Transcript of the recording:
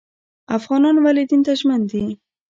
افغانان ولې دین ته ژمن دي؟